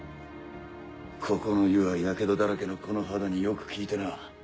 ここの湯は火傷だらけのこの肌によく効いてな。